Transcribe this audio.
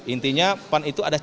intinya pan itu ada